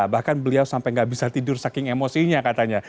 bahkan beliau sampai nggak bisa tidur saking emosinya katanya